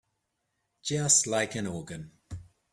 Just like an organ.